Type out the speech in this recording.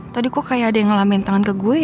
tadi kok kayak ada yang ngalamin tangan ke gue